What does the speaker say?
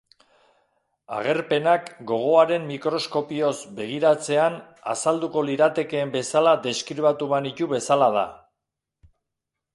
Agerpenak gogoaren mikroskopioz begiratzean azalduko liratekeen bezala deskribatu banitu bezala da.